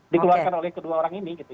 dikeluarkan oleh kedua orang ini gitu